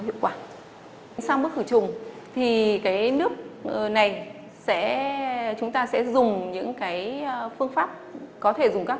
hiệu quả sang bước khử trùng thì cái nước này sẽ chúng ta sẽ dùng những cái phương pháp có thể dùng các